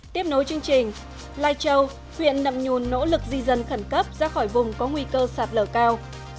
tiếp nối chương trình lai châu huyện nậm nhùn nỗ lực di dân khẩn cấp ra khỏi vùng có nguy cơ sạt lở cao